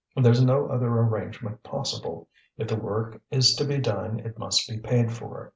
There's no other arrangement possible; if the work is to be done it must be paid for.